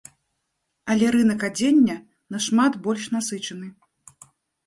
Але рынак адзення нашмат больш насычаны.